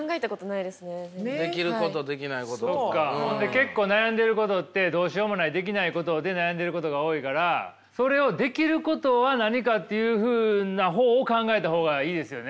結構悩んでることってどうしようもないできないことで悩んでることが多いからそれをできることは何かというふうな方を考えた方がいいですよね。